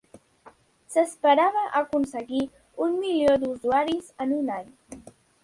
S'esperava aconseguir un milió d'usuaris en un any.